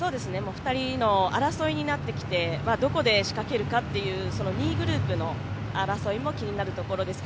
２人の争いになってきてどこで仕掛けるかという２位グループの争いも気になるところです。